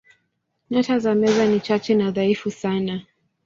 Nyota za Meza ni chache na dhaifu sana.